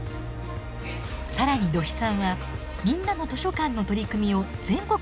更に土肥さんはみんなの図書館の取り組みを全国へ発信しています。